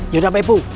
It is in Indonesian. yaudah pak ipung